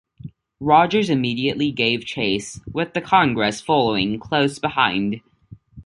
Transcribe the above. Rodgers immediately gave chase, with the "Congress" following close behind.